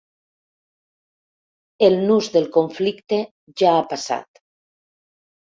El nus del conflicte ja ha passat.